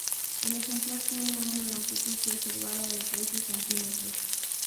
El ejemplar tiene una longitud preservada de trece centímetros.